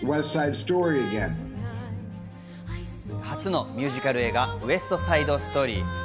初のミュージカル映画『ウエスト・サイド・ストーリー』。